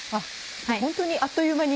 本当にあっという間に。